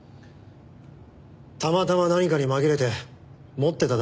たまたま何かに紛れて持ってただけだろう。